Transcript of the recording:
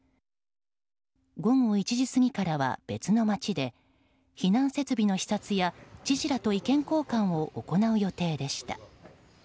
午後１時過ぎからは別の町で避難設備の視察や、知事らと意見交換を行う予定でした。